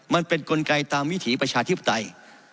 มันเป็นกลไกตามวิถีประชาธิปไตย